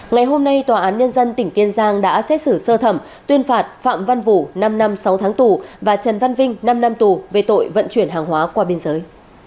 ngày hôm nay tòa án nhân dân tỉnh kiên giang đã xét xử sơ thẩm tuyên phạt phạm văn vũ năm năm sáu tháng tù và trần văn vinh năm năm tù về tội vận chuyển hàng hóa qua biên giới